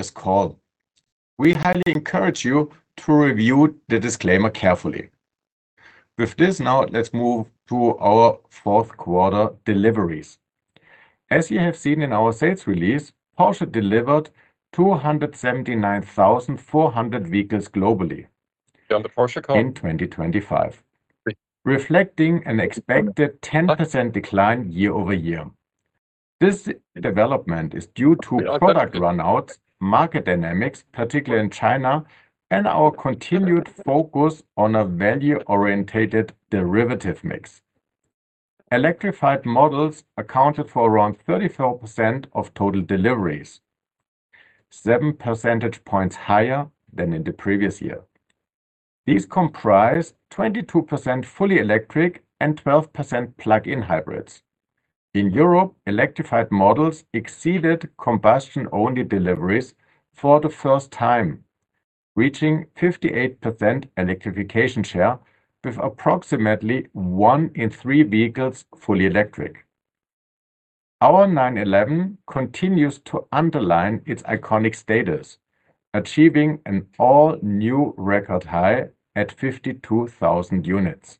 During this call, we highly encourage you to review the disclaimer carefully. With this, now let's move to our fourth quarter deliveries. As you have seen in our sales release, Porsche delivered 279,400 vehicles globally. In 2025, reflecting an expected 10% decline year-over-year. This development is due to product runouts, market dynamics, particularly in China, and our continued focus on a value-oriented derivative mix. Electrified models accounted for around 34% of total deliveries, 7 percentage points higher than in the previous year. These comprise 22% fully electric and 12% plug-in hybrids. In Europe, electrified models exceeded combustion-only deliveries for the first time, reaching 58% electrification share, with approximately one in three vehicles fully electric. Our 911 continues to underline its iconic status, achieving an all-new record high at 52,000 units.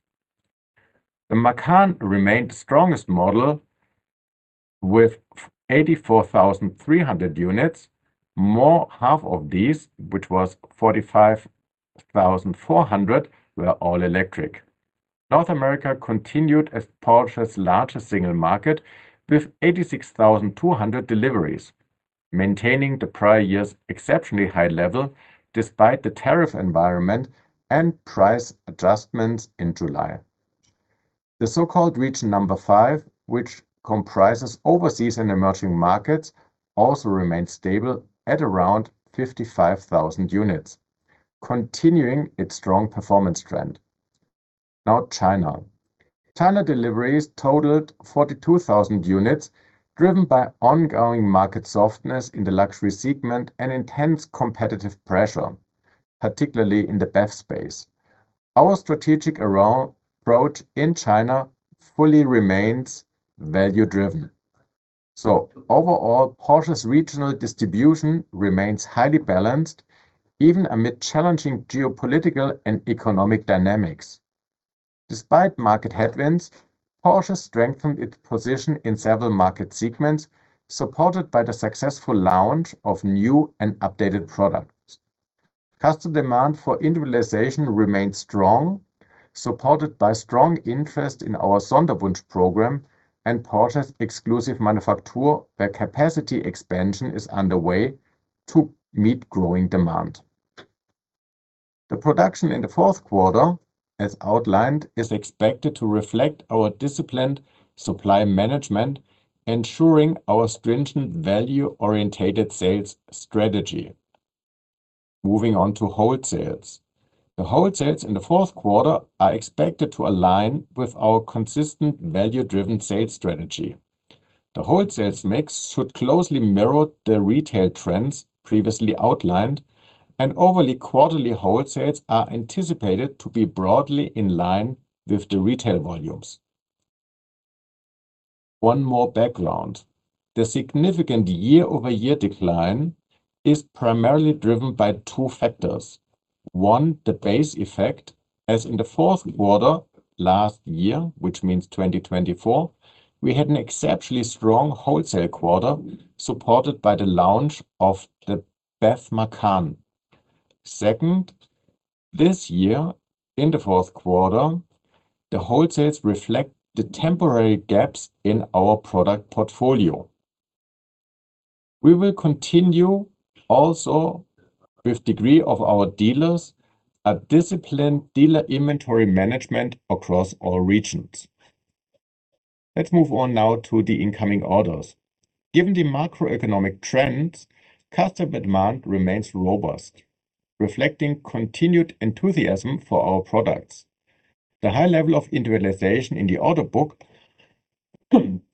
The Macan remained the strongest model, with 84,300 units; more than half of these, which was 45,400, were all electric. North America continued as Porsche's largest single market, with 86,200 deliveries, maintaining the prior year's exceptionally high level despite the tariff environment and price adjustments in July. The so-called region number five, which comprises overseas and emerging markets, also remained stable at around 55,000 units, continuing its strong performance trend. Now, China. China deliveries totaled 42,000 units, driven by ongoing market softness in the luxury segment and intense competitive pressure, particularly in the BEV space. Our strategic approach in China fully remains value-driven. So overall, Porsche's regional distribution remains highly balanced, even amid challenging geopolitical and economic dynamics. Despite market headwinds, Porsche strengthened its position in several market segments, supported by the successful launch of new and updated products. Customer demand for individualization remains strong, supported by strong interest in our Sonderwunsch program and Porsche's Exclusive Manufaktur, where capacity expansion is underway to meet growing demand. The production in the fourth quarter, as outlined, is expected to reflect our disciplined supply management, ensuring our stringent value-oriented sales strategy. Moving on to wholesales. The wholesales in the fourth quarter are expected to align with our consistent value-driven sales strategy. The wholesales mix should closely mirror the retail trends previously outlined, and overall quarterly wholesales are anticipated to be broadly in line with the retail volumes. One more background. The significant year-over-year decline is primarily driven by two factors. One, the base effect. As in the fourth quarter last year, which means 2024, we had an exceptionally strong wholesale quarter, supported by the launch of the BEV Macan. Second, this year, in the fourth quarter, the wholesales reflect the temporary gaps in our product portfolio. We will continue to engage our dealers in a disciplined dealer inventory management across all regions. Let's move on now to the incoming orders. Given the macroeconomic trends, customer demand remains robust, reflecting continued enthusiasm for our products. The high level of individualization in the order book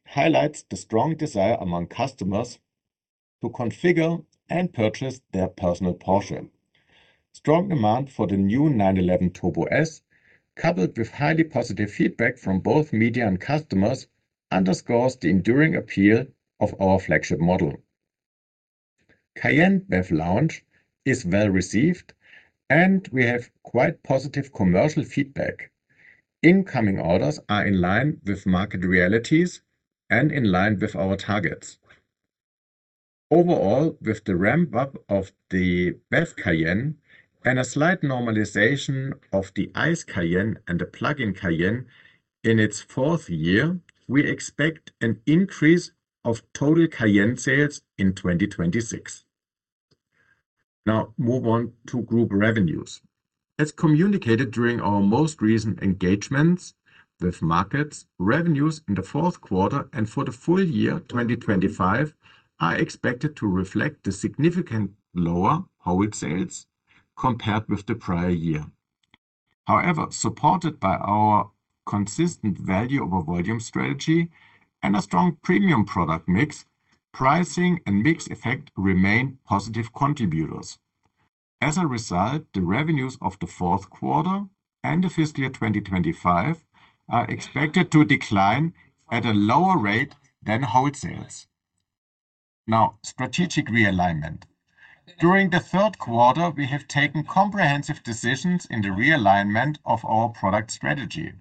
highlights the strong desire among customers to configure and purchase their personal Porsche. Strong demand for the new 911 Turbo S, coupled with highly positive feedback from both media and customers, underscores the enduring appeal of our flagship model. Cayenne BEV launch is well received, and we have quite positive commercial feedback. Incoming orders are in line with market realities and in line with our targets. Overall, with the ramp-up of the BEV Cayenne and a slight normalization of the ICE Cayenne and the plug-in Cayenne in its fourth year, we expect an increase of total Cayenne sales in 2026. Now, move on to group revenues. As communicated during our most recent engagements with markets, revenues in the fourth quarter and for the full year 2025 are expected to reflect the significantly lower wholesales compared with the prior year. However, supported by our consistent value-over-volume strategy and a strong premium product mix, pricing and mix effect remain positive contributors. As a result, the revenues of the fourth quarter and the fiscal year 2025 are expected to decline at a lower rate than wholesales. Now, strategic realignment. During the third quarter, we have taken comprehensive decisions in the realignment of our product strategy.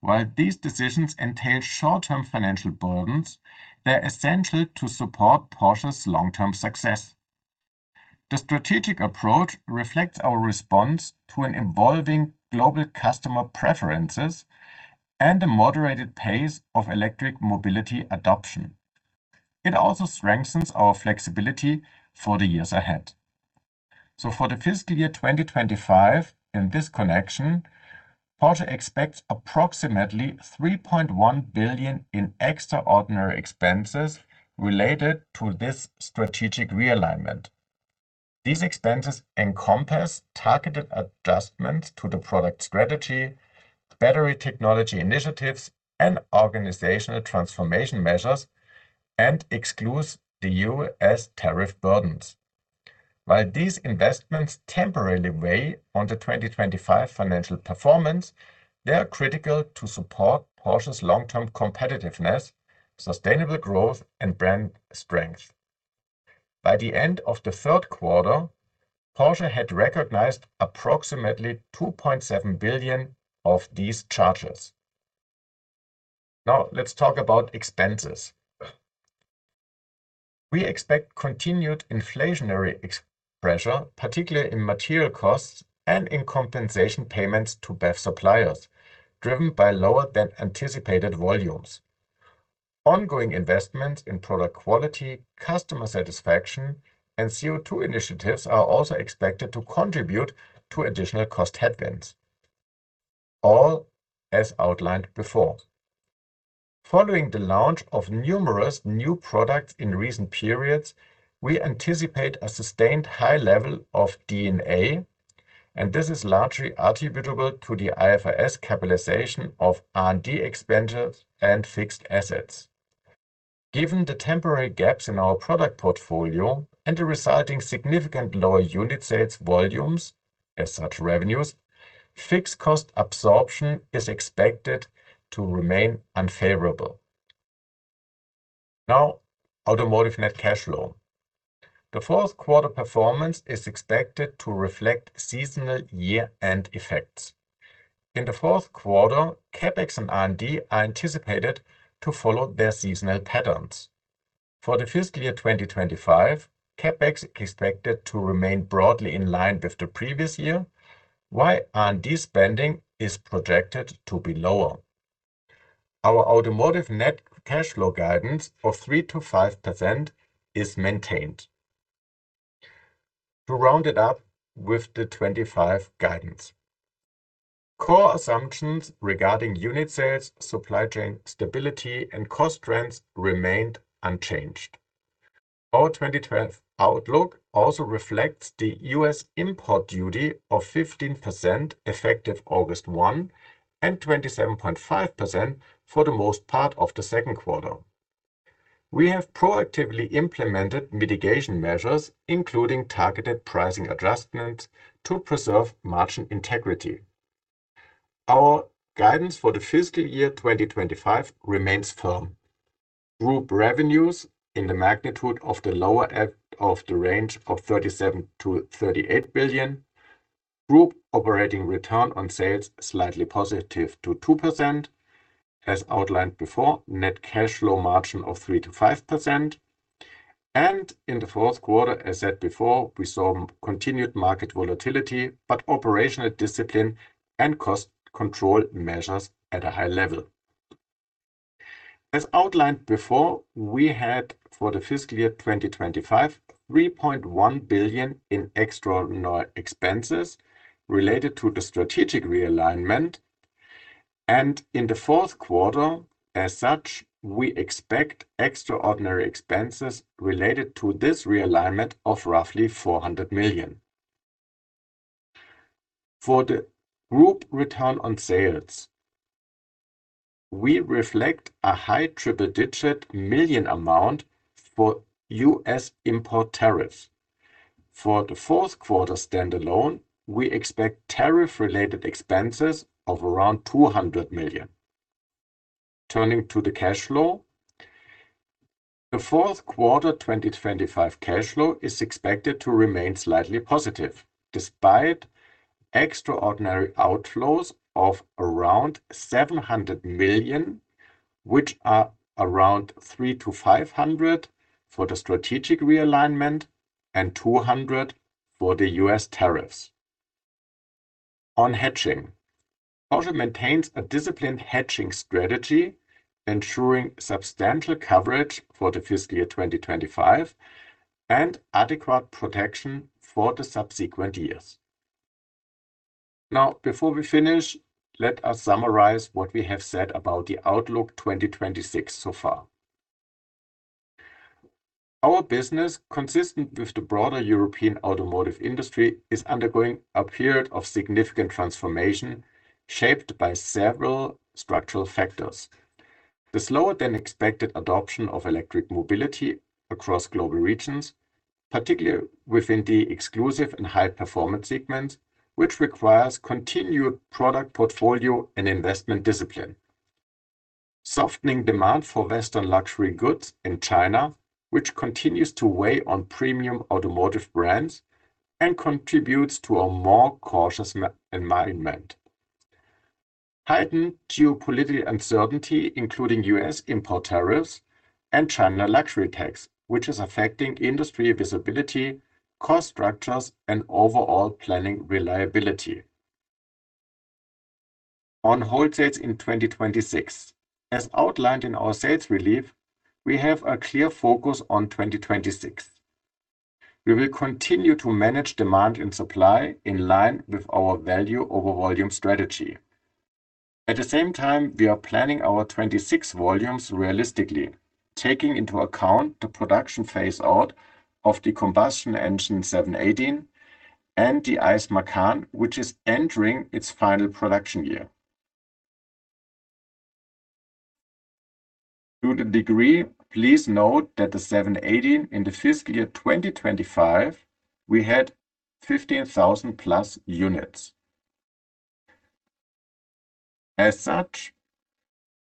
While these decisions entail short-term financial burdens, they're essential to support Porsche's long-term success. The strategic approach reflects our response to an evolving global customer preferences and the moderated pace of electric mobility adoption. It also strengthens our flexibility for the years ahead. So for the fiscal year 2025, in this connection, Porsche expects approximately 3.1 billion in extraordinary expenses related to this strategic realignment. These expenses encompass targeted adjustments to the product strategy, battery technology initiatives, and organizational transformation measures, and exclude the U.S. tariff burdens. While these investments temporarily weigh on the 2025 financial performance, they are critical to support Porsche's long-term competitiveness, sustainable growth, and brand strength. By the end of the third quarter, Porsche had recognized approximately 2.7 billion of these charges. Now, let's talk about expenses. We expect continued inflationary pressure, particularly in material costs and in compensation payments to BEV suppliers, driven by lower-than-anticipated volumes. Ongoing investments in product quality, customer satisfaction, and CO2 initiatives are also expected to contribute to additional cost headwinds, all as outlined before. Following the launch of numerous new products in recent periods, we anticipate a sustained high level of D&A, and this is largely attributable to the IFRS capitalization of R&D expenditures and fixed assets. Given the temporary gaps in our product portfolio and the resulting significant lower unit sales volumes as such revenues, fixed cost absorption is expected to remain unfavorable. Now, automotive net cash flow. The fourth quarter performance is expected to reflect seasonal year-end effects. In the fourth quarter, CapEx and R&D are anticipated to follow their seasonal patterns. For the fiscal year 2025, CapEx is expected to remain broadly in line with the previous year, while R&D spending is projected to be lower. Our automotive net cash flow guidance of 3%-5% is maintained. To round it up with the '25 guidance, core assumptions regarding unit sales, supply chain stability, and cost trends remained unchanged. Our 2025 outlook also reflects the U.S. import duty of 15% effective August 1 and 27.5% for the most part of the second quarter. We have proactively implemented mitigation measures, including targeted pricing adjustments, to preserve margin integrity. Our guidance for the fiscal year 2025 remains firm. Group revenues in the magnitude of the lower end of the range of 37 billion-38 billion. Group operating return on sales slightly positive to 2%, as outlined before, net cash flow margin of 3%-5%. And in the fourth quarter, as said before, we saw continued market volatility, but operational discipline and cost control measures at a high level. As outlined before, we had for the fiscal year 2025, 3.1 billion in extraordinary expenses related to the strategic realignment. And in the fourth quarter, as such, we expect extraordinary expenses related to this realignment of roughly 400 million. For the group return on sales, we reflect a high triple-digit million amount for U.S. import tariffs. For the fourth quarter standalone, we expect tariff-related expenses of around 200 million. Turning to the cash flow, the fourth quarter 2025 cash flow is expected to remain slightly positive, despite extraordinary outflows of around 700 million, which are around 300-500 for the strategic realignment and 200 for the U.S. tariffs. On hedging, Porsche maintains a disciplined hedging strategy, ensuring substantial coverage for the fiscal year 2025 and adequate protection for the subsequent years. Now, before we finish, let us summarize what we have said about the outlook 2026 so far. Our business, consistent with the broader European automotive industry, is undergoing a period of significant transformation shaped by several structural factors. The slower-than-expected adoption of electric mobility across global regions, particularly within the exclusive and high-performance segment, which requires continued product portfolio and investment discipline. Softening demand for Western luxury goods in China, which continues to weigh on premium automotive brands, contributes to a more cautious environment. Heightened geopolitical uncertainty, including U.S. import tariffs and China luxury tax, which is affecting industry visibility, cost structures, and overall planning reliability. On wholesales in 2026, as outlined in our sales release, we have a clear focus on 2026. We will continue to manage demand and supply in line with our value-over-volume strategy. At the same time, we are planning our 26 volumes realistically, taking into account the production phase-out of the combustion engine 718 and the ICE Macan, which is entering its final production year. To that degree, please note that the 718 in the fiscal year 2025, we had 15,000+ units. As such,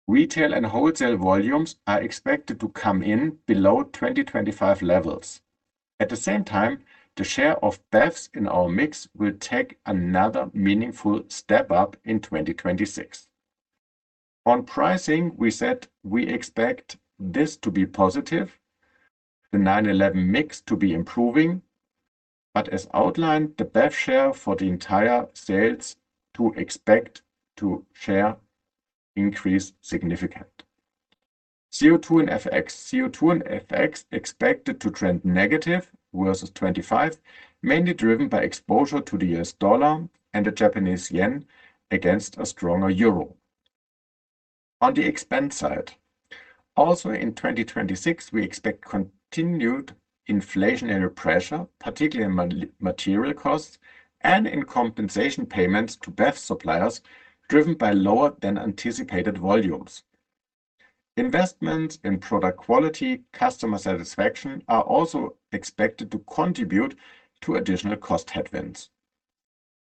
retail and wholesale volumes are expected to come in below 2025 levels. At the same time, the share of BEVs in our mix will take another meaningful step up in 2026. On pricing, we said we expect this to be positive, the 911 mix to be improving, but as outlined, the BEV share for the entire sales to expect to share increase significant. CO2 and FX expected to trend negative versus 2025, mainly driven by exposure to the U.S. dollar and the Japanese yen against a stronger euro. On the expense side, also in 2026, we expect continued inflationary pressure, particularly in material costs and in compensation payments to BEV suppliers, driven by lower-than-anticipated volumes. Investments in product quality and customer satisfaction are also expected to contribute to additional cost headwinds.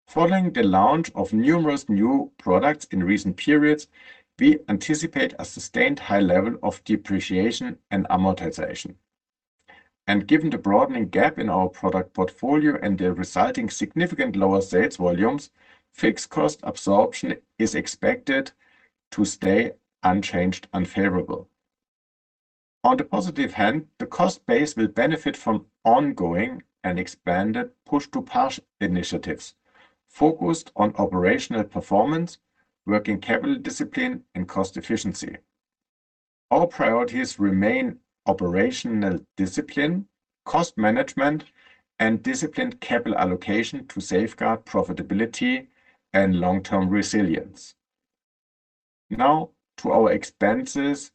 Following the launch of numerous new products in recent periods, we anticipate a sustained high level of depreciation and amortization. And given the broadening gap in our product portfolio and the resulting significant lower sales volumes, fixed cost absorption is expected to stay unchanged, unfavorable. On the positive hand, the cost base will benefit from ongoing and expanded Push-to-Pass initiatives focused on operational performance, working capital discipline, and cost efficiency. Our priorities remain operational discipline, cost management, and disciplined capital allocation to safeguard profitability and long-term resilience. Now to our expenses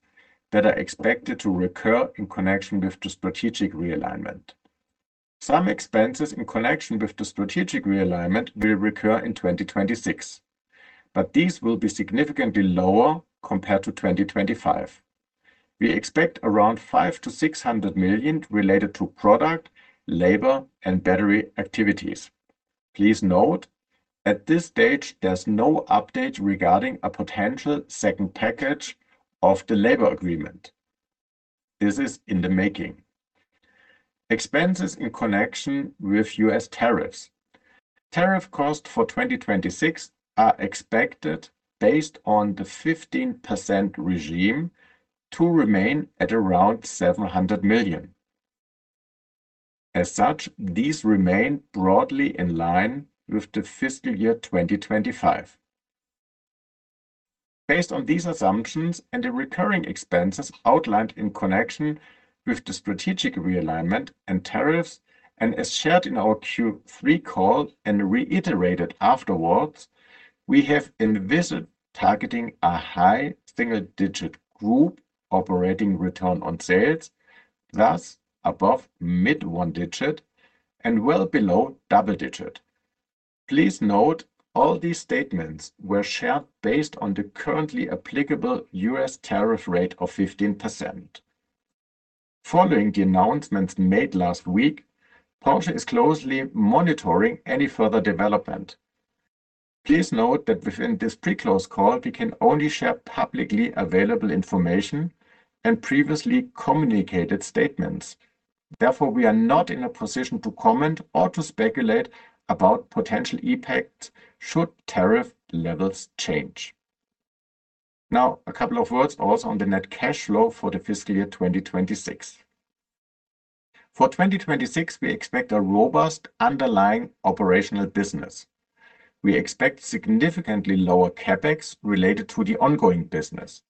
that are expected to recur in connection with the strategic realignment. Some expenses in connection with the strategic realignment will recur in 2026, but these will be significantly lower compared to 2025. We expect around 500 million-600 million related to product, labor, and battery activities. Please note at this stage, there's no update regarding a potential second package of the labor agreement. This is in the making. Expenses in connection with U.S. tariffs. Tariff costs for 2026 are expected based on the 15% regime to remain at around 700 million. As such, these remain broadly in line with the fiscal year 2025. Based on these assumptions and the recurring expenses outlined in connection with the strategic realignment and tariffs, and as shared in our Q3 call and reiterated afterwards, we have envisioned targeting a high single-digit group operating return on sales, thus above mid-one digit and well below double digit. Please note all these statements were shared based on the currently applicable U.S. tariff rate of 15%. Following the announcements made last week, Porsche is closely monitoring any further development. Please note that within this pre-close call, we can only share publicly available information and previously communicated statements. Therefore, we are not in a position to comment or to speculate about potential impacts should tariff levels change. Now, a couple of words also on the net cash flow for the fiscal year 2026. For 2026, we expect a robust underlying operational business. We expect significantly lower CAPEX related to the ongoing business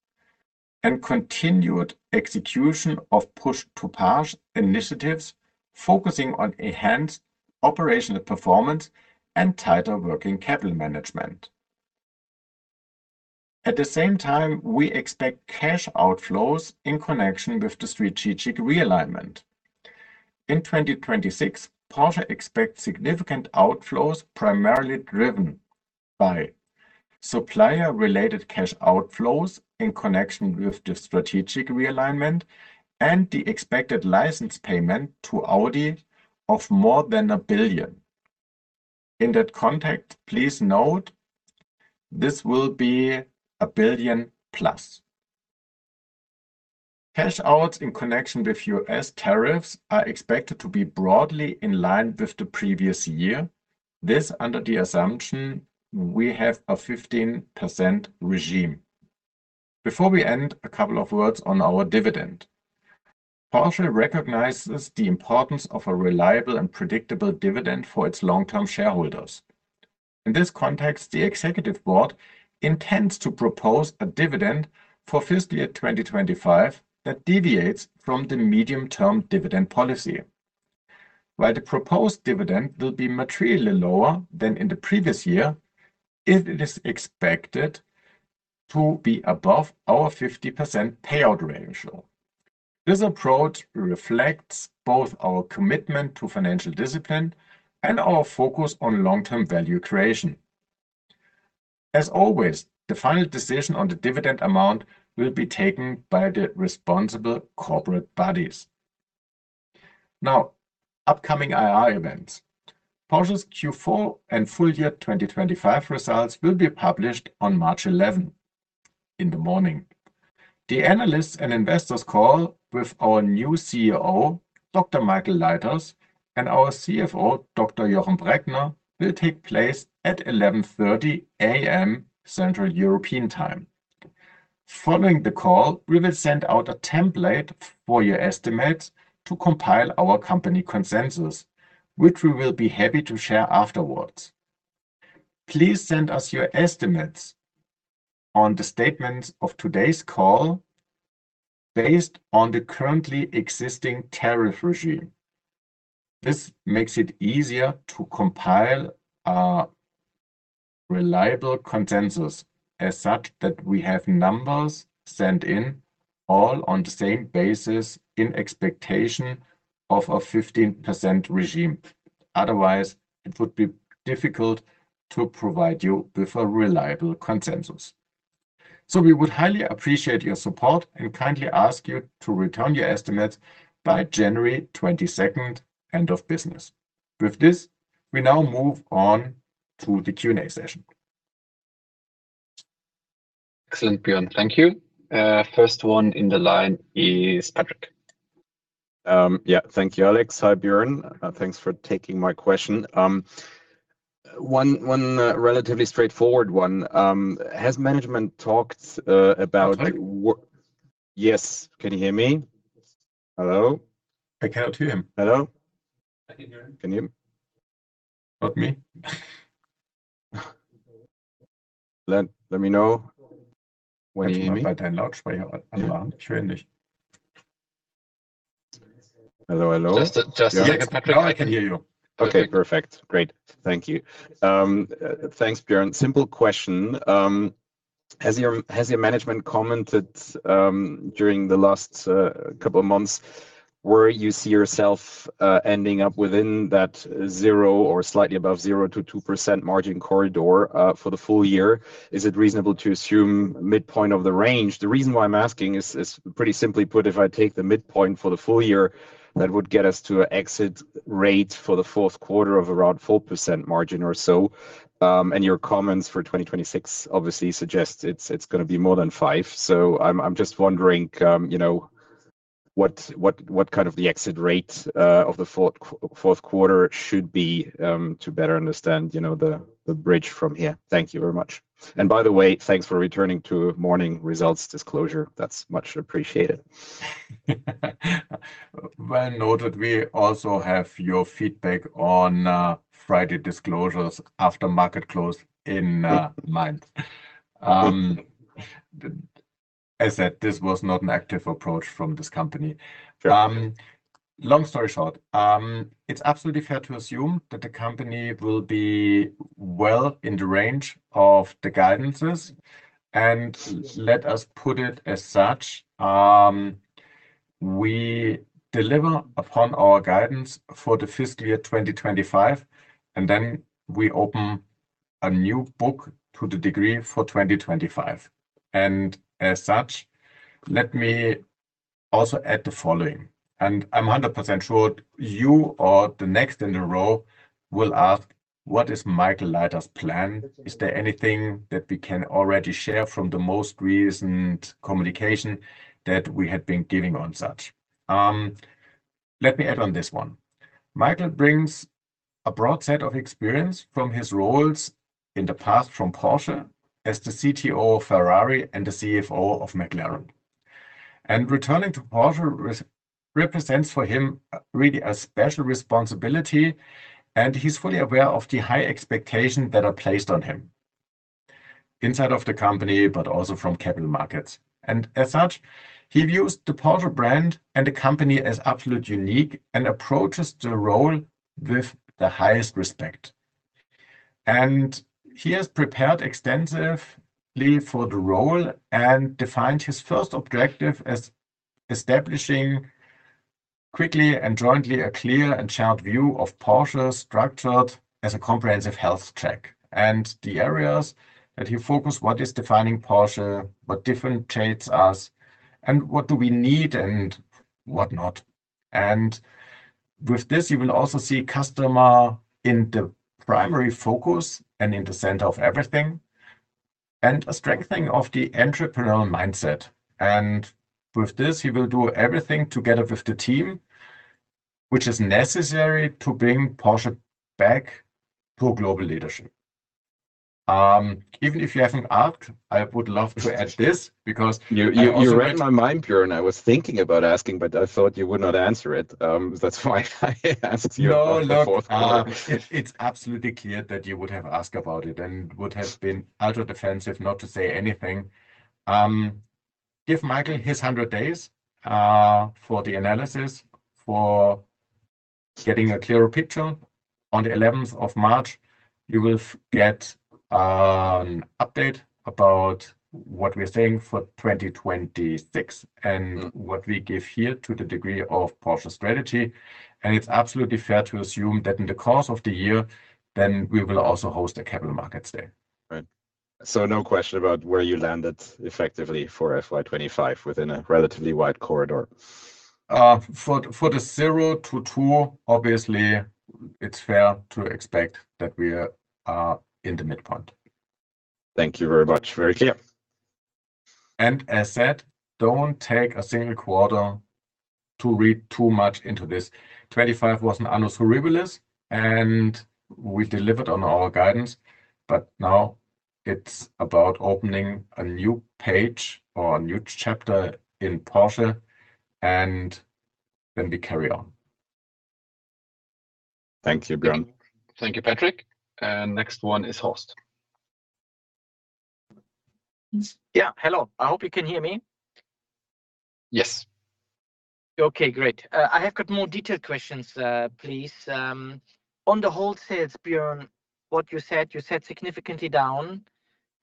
and continued execution of Push-to-Pass initiatives focusing on enhanced operational performance and tighter working capital management. At the same time, we expect cash outflows in connection with the strategic realignment. In 2026, Porsche expects significant outflows primarily driven by supplier-related cash outflows in connection with the strategic realignment and the expected license payment to Audi of more than 1 billion. In that context, please note this will be 1 billion+. Cash outs in connection with U.S. tariffs are expected to be broadly in line with the previous year. This under the assumption we have a 15% regime. Before we end, a couple of words on our dividend. Porsche recognizes the importance of a reliable and predictable dividend for its long-term shareholders. In this context, the executive board intends to propose a dividend for fiscal year 2025 that deviates from the medium-term dividend policy. While the proposed dividend will be materially lower than in the previous year, it is expected to be above our 50% payout ratio. This approach reflects both our commitment to financial discipline and our focus on long-term value creation. As always, the final decision on the dividend amount will be taken by the responsible corporate bodies. Now, upcoming IR events. Porsche's Q4 and full year 2025 results will be published on March 11 in the morning. The analysts and investors call with our new CEO, Dr. Michael Leiters, and our CFO, Dr. Jochen Breckner, will take place at 11:30 A.M. Central European Time. Following the call, we will send out a template for your estimates to compile our company consensus, which we will be happy to share afterwards. Please send us your estimates on the statements of today's call based on the currently existing tariff regime. This makes it easier to compile a reliable consensus as such that we have numbers sent in all on the same basis in expectation of a 15% regime. Otherwise, it would be difficult to provide you with a reliable consensus. So we would highly appreciate your support and kindly ask you to return your estimates by January 22nd, end of business. With this, we now move on to the Q&A session. Excellent, Björn. Thank you. First one in the line is Patrick. Yeah, thank you, Alex. Hi, Björn. Thanks for taking my question. One relatively straightforward one. Has management talked about. Yes, can you hear me? Hello? I can't hear him. Hello? I can hear him. Can you? Not me. Let me know when you hear me. Hello, hello. Just a second, Patrick. I can hear you. Okay, perfect. Great. Thank you. Thanks, Björn. Simple question. Has your management commented during the last couple of months where you see yourself ending up within that zero or slightly above 0%-2% margin corridor for the full year? Is it reasonable to assume midpoint of the range? The reason why I'm asking is, pretty simply put, if I take the midpoint for the full year, that would get us to an exit rate for the fourth quarter of around 4% margin or so. And your comments for 2026 obviously suggest it's going to be more than five. So I'm just wondering what kind of the exit rate of the fourth quarter should be to better understand the bridge from here. Thank you very much. And by the way, thanks for returning to morning results disclosure. That's much appreciated. Noted, we also have your feedback on Friday disclosures after market close in mind. As I said, this was not an active approach from this company. Long story short, it's absolutely fair to assume that the company will be well in the range of the guidances. Let us put it as such. We deliver upon our guidance for the fiscal year 2025, and then we open a new book to the degree for 2025. As such, let me also add the following. I'm 100% sure you or the next in the row will ask, what is Michael Leiters's plan? Is there anything that we can already share from the most recent communication that we had been giving on such? Let me add on this one. Michael brings a broad set of experience from his roles in the past from Porsche as the CTO of Ferrari and the CFO of McLaren, and returning to Porsche represents for him really a special responsibility, and he's fully aware of the high expectations that are placed on him inside of the company, but also from capital markets, and as such, he views the Porsche brand and the company as absolutely unique and approaches the role with the highest respect, and he has prepared extensively for the role and defined his first objective as establishing quickly and jointly a clear and shared view of Porsche structured as a comprehensive health check and the areas that he focused, what is defining Porsche, what differentiates us, and what do we need and what not. With this, you will also see customer in the primary focus and in the center of everything and a strengthening of the entrepreneurial mindset. With this, he will do everything together with the team, which is necessary to bring Porsche back to global leadership. Even if you haven't asked, I would love to add this because. You read my mind, Björn, and I was thinking about asking, but I thought you would not answer it. That's why I asked you. No, look, it's absolutely clear that you would have asked about it and would have been ultra defensive not to say anything. Give Michael his 100 days for the analysis for getting a clearer picture. On the March 11th, you will get an update about what we are saying for 2026 and what we give here to the degree of Porsche strategy. And it's absolutely fair to assume that in the course of the year, then we will also host a Capital Markets Day. Right. So no question about where you landed effectively for FY 2025 within a relatively wide corridor. For the zero to two, obviously, it's fair to expect that we are in the midpoint. Thank you very much. Very clear. And as said, don't take a single quarter to read too much into this. 2025 was an annus horribilis, and we delivered on our guidance, but now it's about opening a new page or a new chapter in Porsche, and then we carry on. Thank you, Björn. Thank you, Patrick. And next one is Horst. Yeah, hello. I hope you can hear me. Yes. Okay, great. I have got more detailed questions, please. On the wholesales, Björn, what you said, you said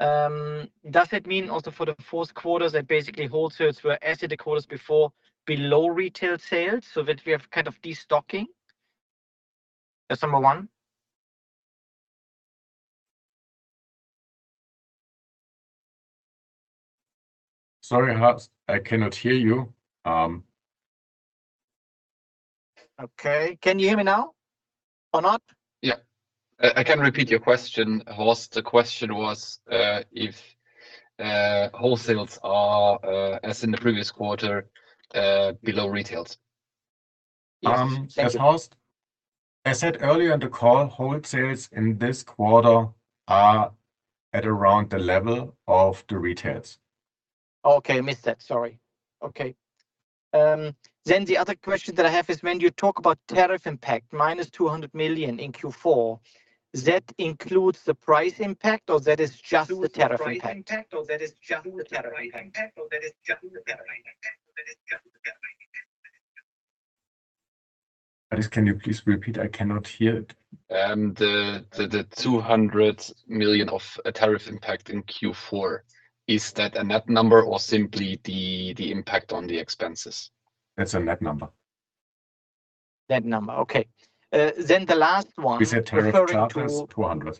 significantly down. Does that mean also for the fourth quarter that basically wholesales were, as in the quarters before, below retail sales so that we have kind of destocking? That's number one. Sorry, I cannot hear you. Okay. Can you hear me now or not? Yeah. I can repeat your question, Horst. The question was if wholesales are, as in the previous quarter, below retails. Yes, thanks, Horst. As I said earlier in the call, wholesales in this quarter are at around the level of the retails. Okay, I missed that. Sorry. Okay. Then the other question that I have is when you talk about tariff impact, -200 million in Q4, that includes the price impact or that is just the tariff impact? Can you please repeat? I cannot hear it. The 200 million of tariff impact in Q4, is that a net number or simply the impact on the expenses? That's a net number. Net number. Okay. Then the last one. We said tariff impact is 200.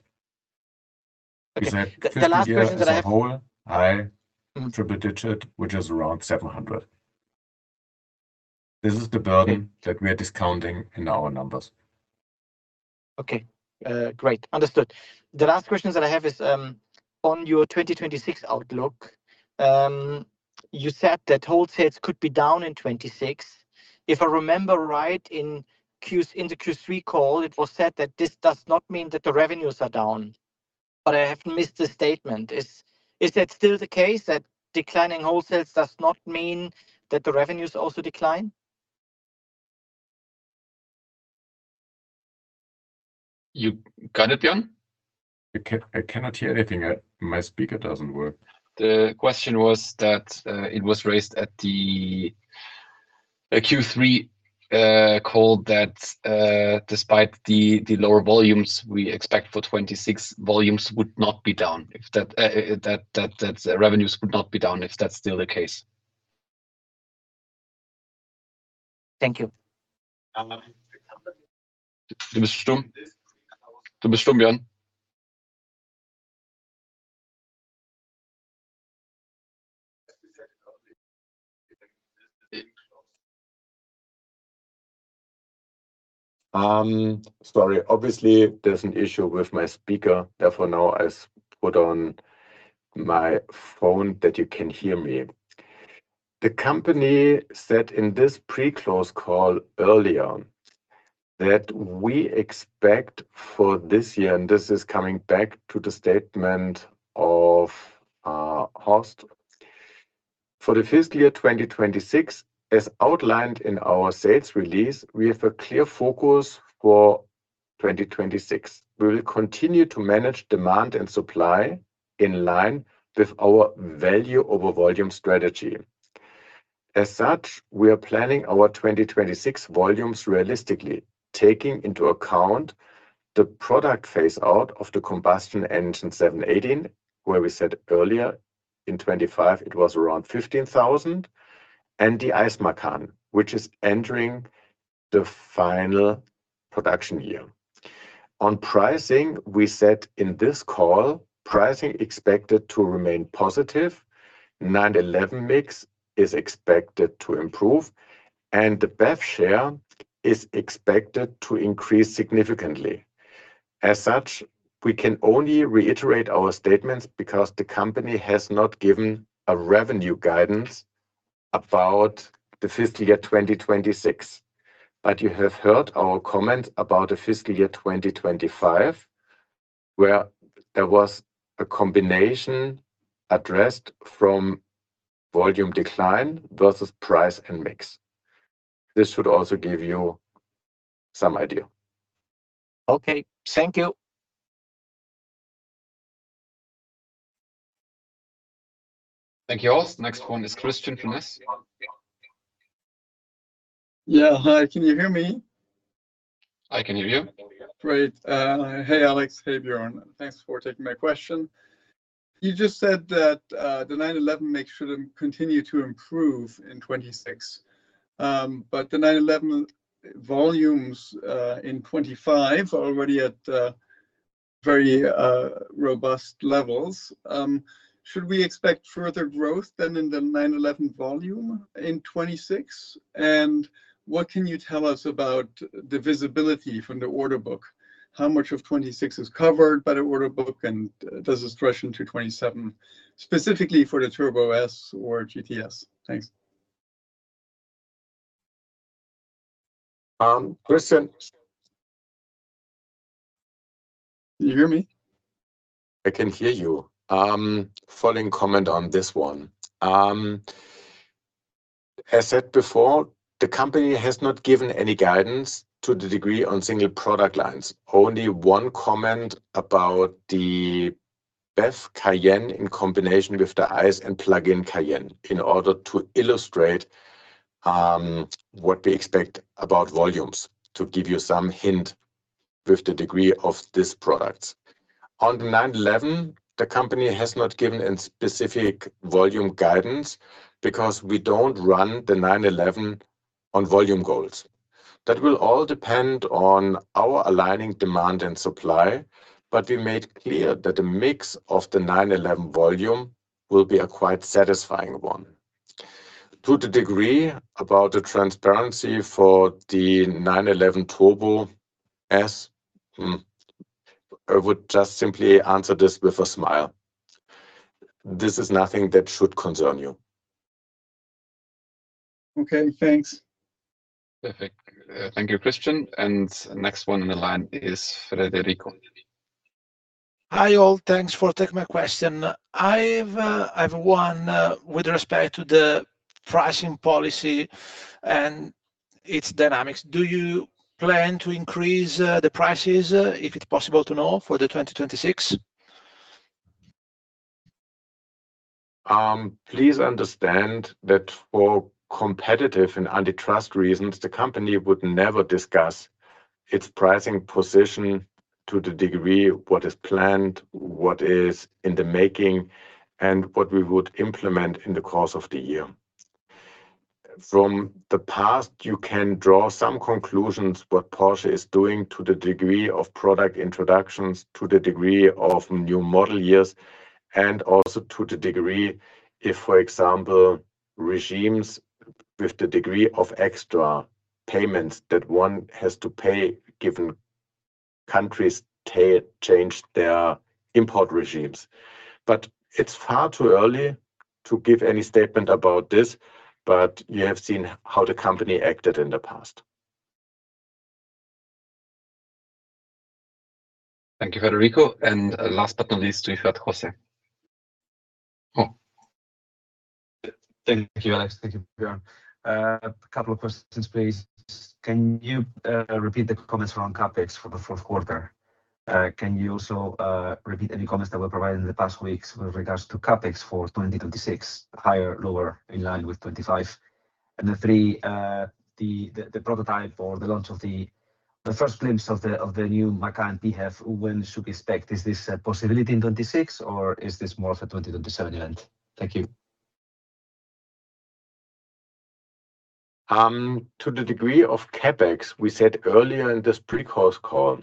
The last question that I have. This is the whole high triple digit, which is around 700. This is the burden that we are discounting in our numbers. Okay. Great. Understood. The last question that I have is on your 2026 outlook. You said that wholesales could be down in 2026. If I remember right, in the Q3 call, it was said that this does not mean that the revenues are down, but I have missed the statement. Is that still the case that declining wholesales does not mean that the revenues also decline? You got it, Björn? I cannot hear anything. My speaker doesn't work. The question was that it was raised at the Q3 call that despite the lower volumes, we expect for 2026 volumes would not be down, that revenues would not be down, if that's still the case. Thank you. Mr. Stumm. Björn. Sorry. Obviously, there's an issue with my speaker. Therefore, now I put on my phone that you can hear me. The company said in this pre-close call earlier that we expect for this year, and this is coming back to the statement of Horst, for the fiscal year 2026, as outlined in our sales release, we have a clear focus for 2026. We will continue to manage demand and supply in line with our value over volume strategy. As such, we are planning our 2026 volumes realistically, taking into account the product phase-out of the combustion engine 718, where we said earlier in 2025 it was around 15,000, and the Macan, which is entering the final production year. On pricing, we said in this call, pricing expected to remain positive. 911 mix is expected to improve, and the BEV share is expected to increase significantly. As such, we can only reiterate our statements because the company has not given a revenue guidance about the fiscal year 2026. But you have heard our comment about the fiscal year 2025, where there was a combination addressed from volume decline versus price and mix. This should also give you some idea. Okay. Thank you. Thank you, Horst. Next one is [Christian Funes]. Yeah. Hi. Can you hear me? I can hear you. Great. Hey, Alex. Hey, Björn. Thanks for taking my question. You just said that the 911 mix should continue to improve in 2026, but the 911 volumes in 2025 are already at very robust levels. Should we expect further growth than in the 911 volume in 2026? And what can you tell us about the visibility from the order book? How much of 2026 is covered by the order book, and does it stretch into 2027 specifically for the Turbo S or GTS? Thanks. Christian. Do you hear me? I can hear you. Following comment on this one. As said before, the company has not given any guidance to the degree on single product lines. Only one comment about the BEV Cayenne in combination with the ICE and plug-in Cayenne in order to illustrate what we expect about volumes to give you some hint with the degree of these products. On the 911, the company has not given a specific volume guidance because we don't run the 911 on volume goals. That will all depend on our aligning demand and supply, but we made clear that the mix of the 911 volume will be a quite satisfying one. To the degree about the transparency for the 911 Turbo S, I would just simply answer this with a smile. This is nothing that should concern you. Okay. Thanks. Perfect. Thank you, Christian. And next one in the line is [rederico]. Hi all. Thanks for taking my question. I have one with respect to the pricing policy and its dynamics. Do you plan to increase the prices, if it's possible to know, for the 2026? Please understand that for competitive and antitrust reasons, the company would never discuss its pricing position to the degree what is planned, what is in the making, and what we would implement in the course of the year. From the past, you can draw some conclusions what Porsche is doing to the degree of product introductions, to the degree of new model years, and also to the degree if, for example, regimes with the degree of extra payments that one has to pay given countries change their import regimes. But it's far too early to give any statement about this, but you have seen how the company acted in the past. Thank you, [Federico]. And last but not least, we've got José. Thank you, Alex. Thank you, Björn. A couple of questions, please. Can you repeat the comments around CapEx for the fourth quarter? Can you also repeat any comments that were provided in the past weeks with regards to CapEx for 2026, higher, lower, in line with 2025? And then three, the prototype or the launch of the first glimpse of the new Macan PHEV, when should we expect? Is this a possibility in 2026, or is this more of a 2027 event? Thank you. To the degree of CapEx, we said earlier in this pre-close call,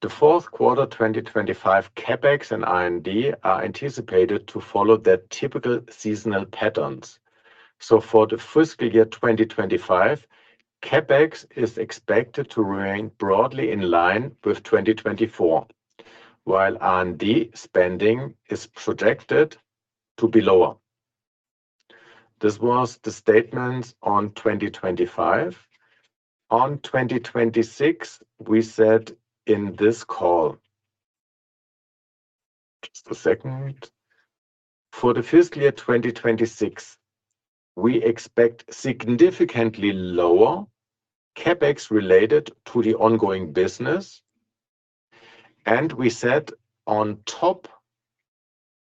the fourth quarter 2025 CapEx and R&D are anticipated to follow their typical seasonal patterns. So for the fiscal year 2025, CapEx is expected to remain broadly in line with 2024, while R&D spending is projected to be lower. This was the statement on 2025. On 2026, we said in this call, just a second, for the fiscal year 2026, we expect significantly lower CapEx related to the ongoing business. We said on top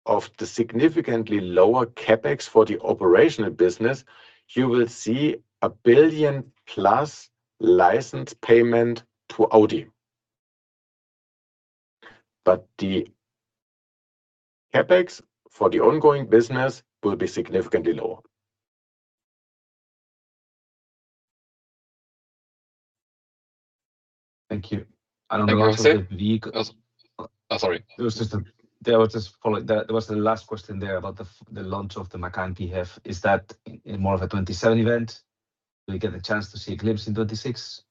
of the significantly lower CapEx for the operational business, you will see a 1+ billion license payment to Audi. The CapEx for the ongoing business will be significantly lower. Thank you. I don't know if we, sorry. There was just a follow-up. There was a last question there about the launch of the Macan PHEV. Is that more of a 2027 event? Do we get a chance to see a glimpse in 2026?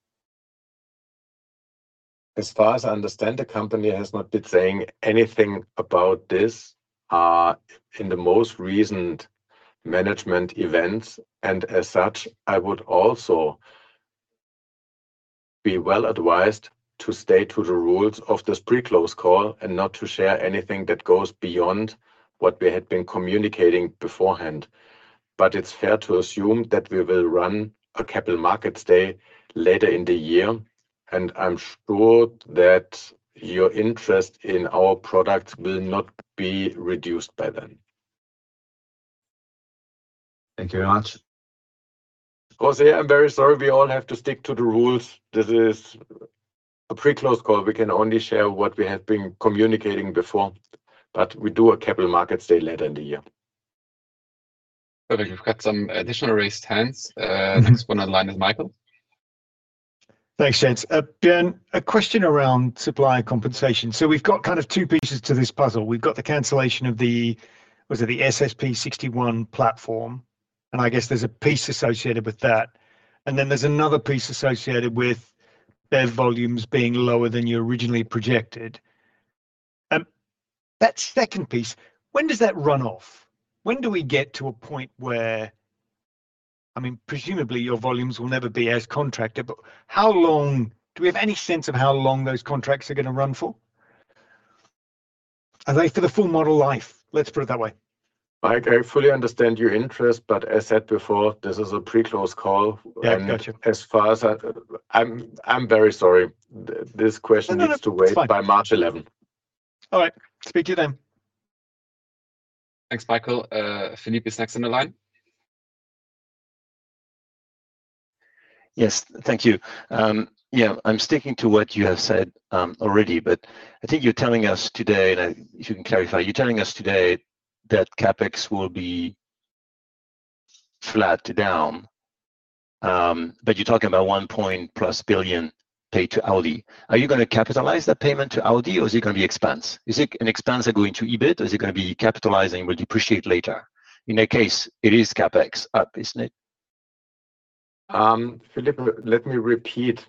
As far as I understand, the company has not been saying anything about this in the most recent management events. As such, I would also be well advised to stay to the rules of this pre-close call and not to share anything that goes beyond what we had been communicating beforehand. But it's fair to assume that we will run a capital markets day later in the year, and I'm sure that your interest in our products will not be reduced by then. Thank you very much. José, I'm very sorry. We all have to stick to the rules. This is a pre-close call. We can only share what we have been communicating before, but we do a capital markets day later in the year. Perfect. We've got some additional raised hands. Next one on the line is Michael. Thanks, gents. Björn, a question around supply compensation. So we've got kind of two pieces to this puzzle. We've got the cancellation of the, was it the SSP 61 platform? And I guess there's a piece associated with that. And then there's another piece associated with their volumes being lower than you originally projected. That second piece, when does that run off? When do we get to a point where, I mean, presumably your volumes will never be as contracted, but how long? Do we have any sense of how long those contracts are going to run for? Are they for the full model life? Let's put it that way. I fully understand your interest, but as said before, this is a pre-close call, and as far as I'm very sorry, this question is to wait by March 11. All right. Speak to you then. Thanks, Michael. Philippe is next on the line. Yes. Thank you. Yeah. I'm sticking to what you have said already, but I think you're telling us today, and if you can clarify, you're telling us today that CapEx will be flat down, but you're talking about 1+ billion paid to Audi. Are you going to capitalize that payment to Audi, or is it going to be expense? Is it an expense that going to EBIT, or is it going to be capitalized and will depreciate later? In that case, it is CapEx up, isn't it? Philippe, let me repeat.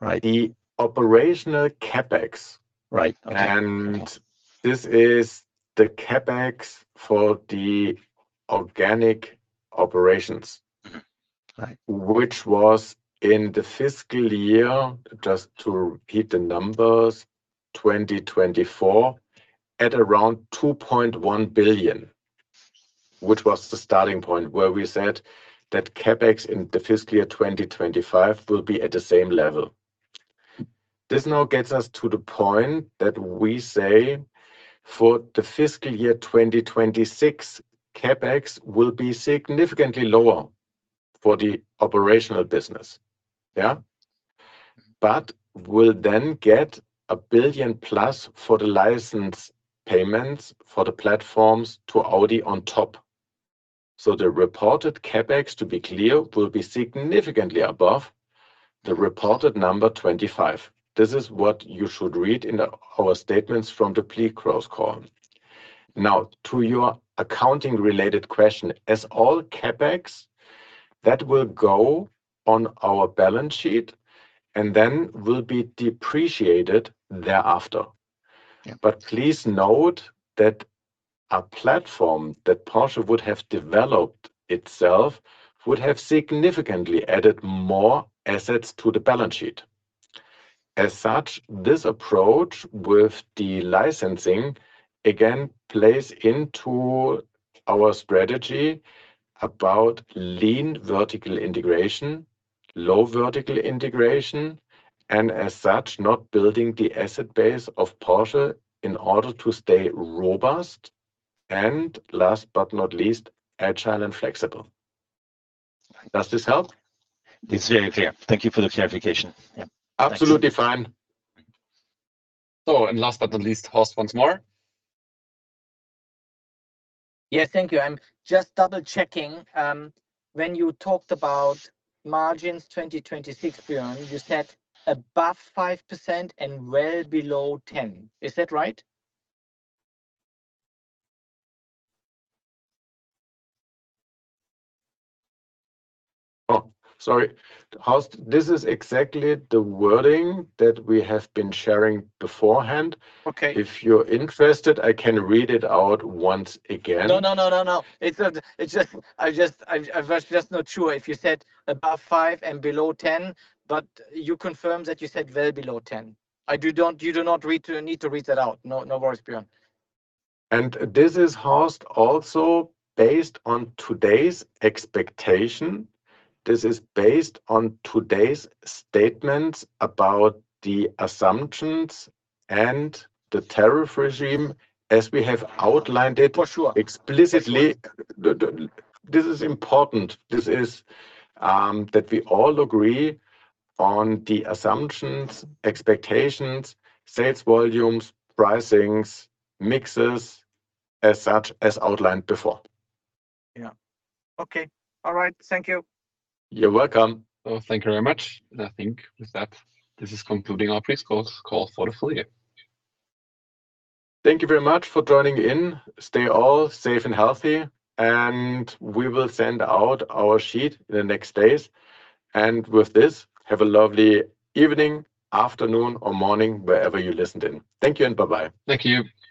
The operational CapEx. And this is the CapEx for the organic operations, which was in the fiscal year, just to repeat the numbers, 2024, at around 2.1 billion, which was the starting point where we said that CapEx in the fiscal year 2025 will be at the same level. This now gets us to the point that we say for the fiscal year 2026, CapEx will be significantly lower for the operational business. Yeah? But we'll then get 1+ billion for the license payments for the platforms to Audi on top. So the reported CapEx, to be clear, will be significantly above the reported number 2025. This is what you should read in our statements from the pre-close call. Now, to your accounting-related question, as all CapEx, that will go on our balance sheet and then will be depreciated thereafter. But please note that a platform that Porsche would have developed itself would have significantly added more assets to the balance sheet. As such, this approach with the licensing, again, plays into our strategy about lean vertical integration, low vertical integration, and as such, not building the asset base of Porsche in order to stay robust and, last but not least, agile and flexible. Does this help? It's very clear. Thank you for the clarification. Yeah. Absolutely fine. Oh, and last but not least, Horst once more. Yes, thank you. I'm just double-checking. When you talked about margins 2026, Björn, you said above 5% and well below 10. Is that right? Oh, sorry. This is exactly the wording that we have been sharing beforehand. If you're interested, I can read it out once again. No, no, no, no, no. I was just not sure if you said above five and below 10, but you confirmed that you said well below 10. You do not need to read that out. No worries, Björn. And this is, Horst, also based on today's expectation. This is based on today's statements about the assumptions and the tariff regime as we have outlined it explicitly. This is important. This is that we all agree on the assumptions, expectations, sales volumes, pricings, mixes, as such as outlined before. Yeah. Okay. All right. Thank you. You're welcome. Thank you very much. And I think with that, this is concluding our pre-close call for the full year. Thank you very much for joining in. Stay all safe and healthy, and we will send out our sheet in the next days. And with this, have a lovely evening, afternoon, or morning, wherever you listened in. Thank you and bye-bye. Thank you. Thank you.